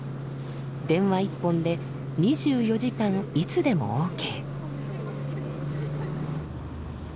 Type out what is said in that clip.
電話一本で２４時間いつでもＯＫ。